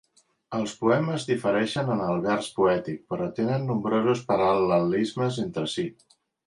Els poemes difereixen en el vers poètic, però tenen nombrosos paral·lelismes entre si.